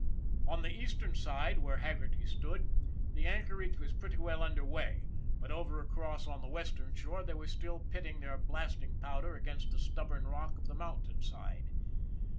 On the eastern side, where Haggerty stood, the an chorage was pretty well under way, but over across on the western shore they were still pitting their blast ing powder against the stubborn rock of the mountain side.